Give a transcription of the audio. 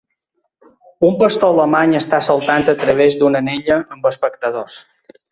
Un pastor alemany està saltant a través d'una anella amb espectadors.